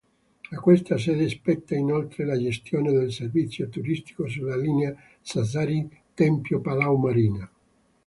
A questa sede spetta inoltre la gestione del servizio turistico sulla linea Sassari-Tempio-Palau Marina.